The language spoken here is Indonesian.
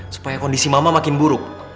supaya kondisi mama makin buruk